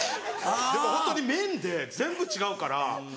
でもホントに麺で全部違うから。